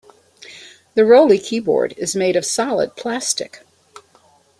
The Rolly keyboard is made of solid plastic.